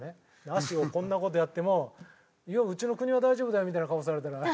足をこんな事やってもいやうちの国は大丈夫だよみたいな顔されたら困るし。